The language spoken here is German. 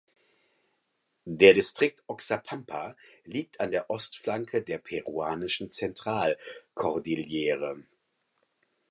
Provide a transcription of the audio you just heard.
Der Distrikt Oxapampa liegt an der Ostflanke der peruanischen Zentralkordillere.